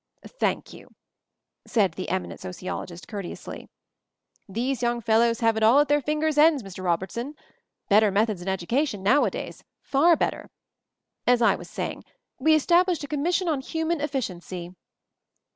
"Thank you," said the eminent sociologist courteously. "These young fellows have it all at their fingers' ends, Mr. Robertson. Better methods in education nowadays, far better! As I was saying, we estab lished a Commission on Human Effi ciency."